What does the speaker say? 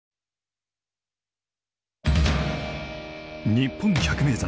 日本百名山